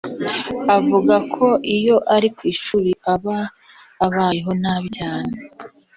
Avuga ko iyo ari kwishuri aba abayeho nabi cyane